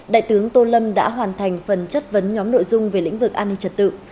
đại tướng tô lâm đã hoàn thành phần chất vấn nhóm nội dung về lĩnh vực an ninh trật tự